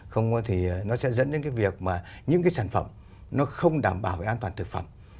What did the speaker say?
không thì nó sẽ dẫn đến cái việc mà những cái sản phẩm nó không đảm bảo về an toàn thực phẩm